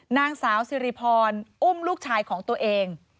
นางสาวสิริพรอุ้มลูกชายของตัวเอง